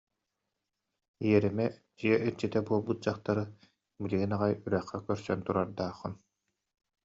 иэримэ дьиэ иччитэ буолбут дьахтары билигин аҕай үрэххэ көрсөн турардааххын